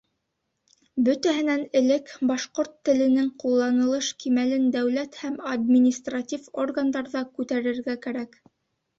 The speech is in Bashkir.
Бөтәһенән элек, башҡорт теленең ҡулланылыш кимәлен дәүләт һәм административ органдарҙа күтәрергә кәрәк.